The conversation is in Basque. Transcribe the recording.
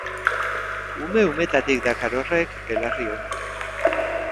Ume-umetatik dakar horrek belarri ona.